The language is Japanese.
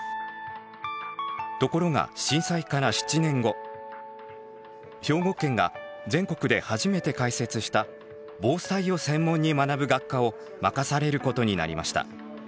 ところが震災から７年後兵庫県が全国で初めて開設した防災を専門に学ぶ学科を任されることになりました。